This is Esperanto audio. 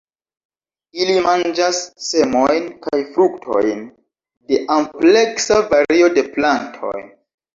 Ili manĝas semojn kaj fruktojn de ampleksa vario de plantoj.